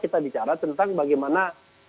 kita bicara tentang bagaimana